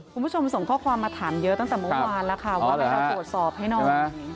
คุณผู้ชมส่งข้อความมาถามเยอะตั้งแต่เมื่อวานแล้วค่ะว่าให้เราตรวจสอบให้หน่อย